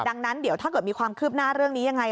ดังนั้นเดี๋ยวถ้าเกิดมีความคืบหน้าเรื่องนี้ยังไง